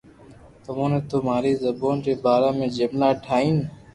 تموني نو ماري زبون ري بارا ۾ جملا ٺائين